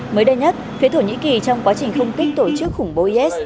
mới đây nhất phía thổ nhĩ kỳ trong quá trình không kích tổ chức khủng bố is